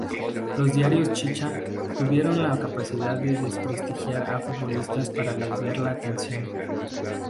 Los diarios chicha tuvieron la capacidad de desprestigiar a futbolistas para desviar la atención.